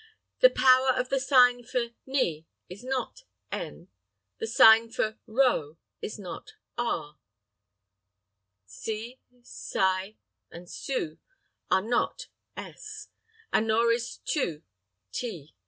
The power of the sign for Ne is not "n;" the sign for Ro is not "r;" Se, Si and Su are not "s;" nor is Tu "t."